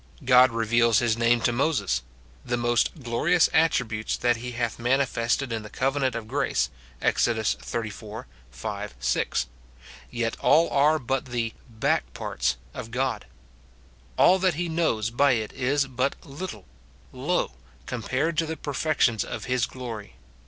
God reveals his name to Moses, — the most glorious attributes that he hath mani fested in the covenant of grace, Exod. xxxiv. 5, 6 ; yet all are but the " back parts" of God. All that he knows by it is but little, low, compared to the perfections of his glory.